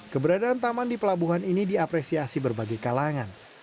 keberadaan taman di pelabuhan ini diapresiasi berbagai kalangan